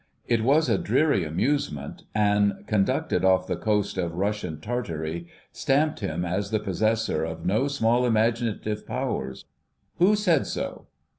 It was a dreary amusement, and, conducted off the coast of Russian Tartary, stamped him as the possessor of no small imaginative powers. "Who said so?"